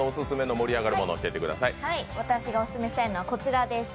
私がオススメしたいのはこちらです。